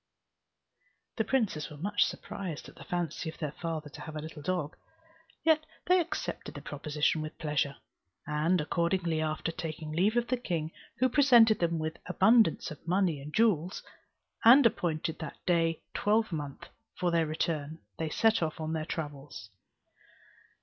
The princes were much surprised at the fancy of their father to have a little dog, yet they accepted the proposition with pleasure: and accordingly, after taking leave of the king, who presented them with abundance of money and jewels, and appointed that day twelvemonth for their return, they set off on their travels.